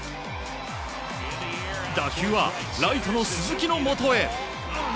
打球はライトの鈴木のもとへ。